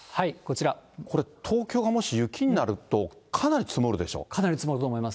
これ、東京がもし雪になると、かなり積もると思います。